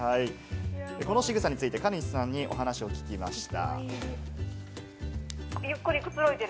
このしぐさについて、飼い主さんにお話を聞きました。